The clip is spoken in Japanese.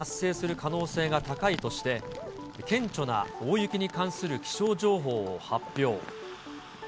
金沢地方気象台は、重大な災害が発生する可能性が高いとして、顕著な大雪に関する気象情報を発表。